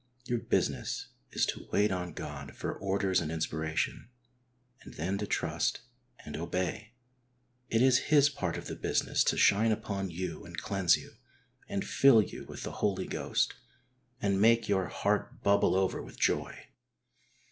Your business is to wait on God for orders and inspiration, and then to trust and obey. It is His part of the business to shine upon you and cleanse you, and fill you with the Holy Ghost, and make your heart bubble over with joy.